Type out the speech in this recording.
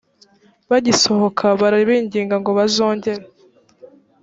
bagisohoka barabinginga ngo bazongere